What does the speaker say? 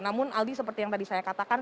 namun aldi seperti yang tadi saya katakan